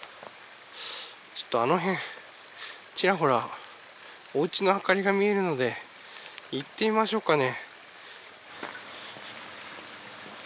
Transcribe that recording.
あのへんちらほらお家の明かりが見えるので行ってみましょうかね。